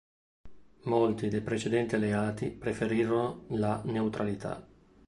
Molti dei precedenti alleati preferirono la neutralità.